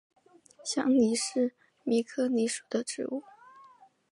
香藜是苋科藜属的植物。